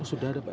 sudah ada pak